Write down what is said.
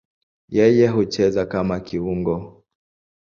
Yeye hucheza kama kiungo.